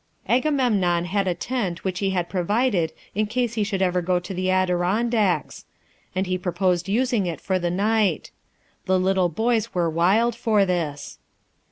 Agamemnon had a tent which he had provided in case he should ever go to the Adirondacks, and he proposed using it for the night. The little boys were wild for this.